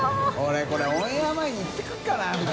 これオンエア前に行ってくるかな藤沢。